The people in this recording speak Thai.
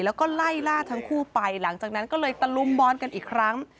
แล้วก็ไล่ล่าทั้งคู่ไปหลังจากนั้นก็เลยตะลุมบอลกันอีกครั้ง